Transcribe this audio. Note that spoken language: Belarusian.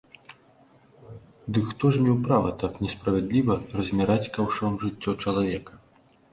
Дык хто ж меў права так несправядліва размяраць каўшом жыццё чалавека?